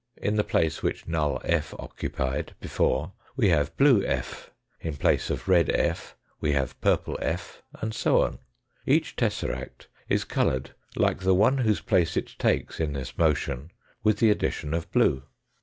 In the place which null f. occupied before we have blue f., in place of red f. we have purple f., and so on. Each tesseract is coloured like the one whose place it takes in this motion with the addition of blue.